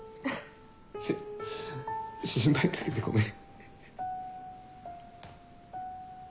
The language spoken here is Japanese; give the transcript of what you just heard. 心配掛けてごめん。